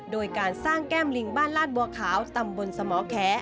โดยการสร้างแก้มลิงบ้านลาดบัวขาวตำบลสมแข